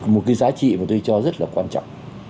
một cái giá trị mà tôi cho rất là quan trọng